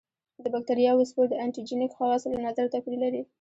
د باکتریاوو سپور د انټي جېنیک خواصو له نظره توپیر لري.